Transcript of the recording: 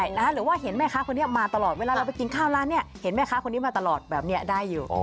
หรือว่าเห็นแม่ค้าคนนี้มาตลอดเวลาเราไปกินข้าวร้านนี้เห็นแม่ค้าคนนี้มาตลอดแบบนี้ได้อยู่